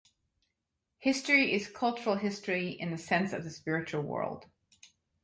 History is cultural history in the sense of the spiritual world.